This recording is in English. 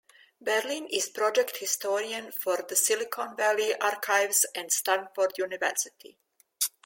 Berlin is Project Historian for the Silicon Valley Archives at Stanford University.